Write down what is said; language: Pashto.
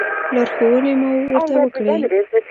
لارښوونې مو ورته وکړې.